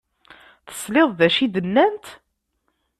Tesliḍ d acu i d-nnant?